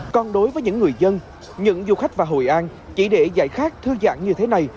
còn đối với những người dân những du khách vào hội an chỉ để giải khát thư dạng như thế này